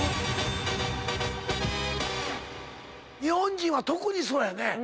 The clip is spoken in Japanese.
日本人は特にそうやね。